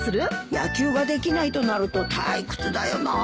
野球ができないとなると退屈だよな。